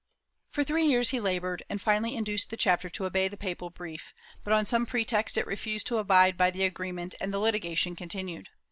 For three years he labored, and finally induced the chapter to obey the papal brief, but on some pretext it refused to abide by the agreement and the litigation continued.